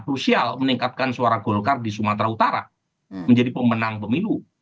krusial meningkatkan suara golkar di sumatera utara menjadi pemenang pemilu